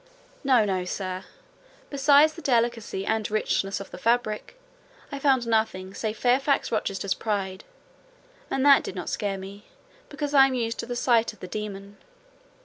"No, no, sir; besides the delicacy and richness of the fabric, I found nothing save Fairfax Rochester's pride; and that did not scare me, because I am used to the sight of the demon.